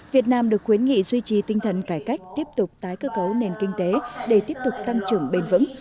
việt nam được khuyến nghị duy trì tinh thần cải cách tiếp tục tái cơ cấu nền kinh tế để tiếp tục tăng trưởng bền vững